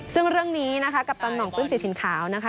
ซึ่งเรื่องนี้นะคะกัปตันห่องปื้มจิตถิ่นขาวนะคะ